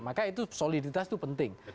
maka soliditas itu penting